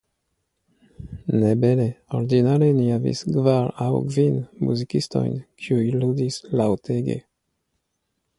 Ne bele, ordinare ni havis kvar aŭ kvin muzikistojn, kiuj ludis laŭtege.